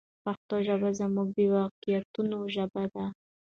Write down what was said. پښتو ژبه زموږ د واقعیتونو ژبه ده.